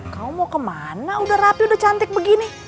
kau mau kemana udah rapi udah cantik begini